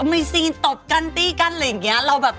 มีซีนตบกันตีกันอะไรอย่างนี้